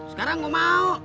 sekarang gue mau